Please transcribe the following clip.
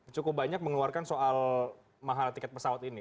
cukup banyak mengeluarkan soal mahal tiket pesawat ini